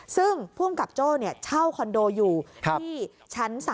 ซึ่งภูมิกับโจ้เช่าคอนโดอยู่ที่ชั้น๓